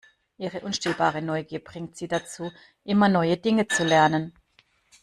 Ihre unstillbare Neugier bringt sie dazu, immer neue Dinge zu lernen.